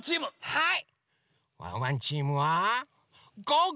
はい！